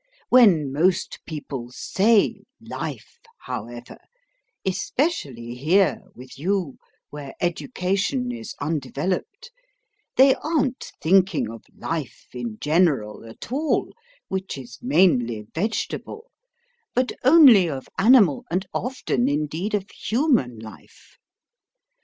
When most people say 'life,' however, especially here with you, where education is undeveloped they aren't thinking of life in general at all (which is mainly vegetable), but only of animal and often indeed of human life.